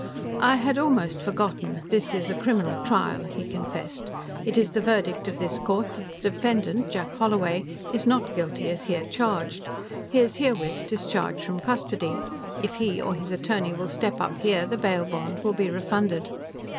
"I had almost forgotten; this is a criminal trial," he confessed. "It is the verdict of this court that the defendant, Jack Holloway, is not guilty as here charged. He is herewith discharged from custody. If he or his attorney will step up here, the bail bond will be refunded."